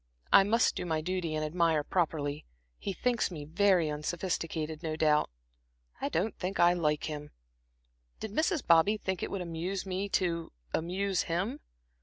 I must do my duty and admire properly; he thinks me very unsophisticated, no doubt. I don't think I like him. Did Mrs. Bobby think it would amuse me to amuse him?